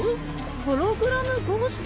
ホログラムゴースト？